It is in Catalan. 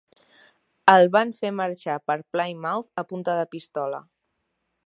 El van fer marxar per Plymouth a punta de pistola.